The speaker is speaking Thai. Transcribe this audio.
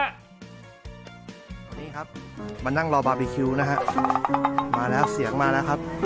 วันนี้ครับมานั่งรอบบาร์บีคิวนะฮะมาแล้วเสียงมาแล้วครับ